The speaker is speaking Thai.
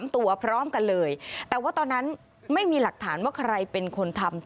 ตัวพร้อมกันเลยแต่ว่าตอนนั้นไม่มีหลักฐานว่าใครเป็นคนทำ